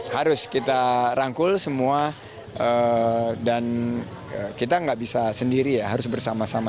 harus kita rangkul semua dan kita nggak bisa sendiri ya harus bersama sama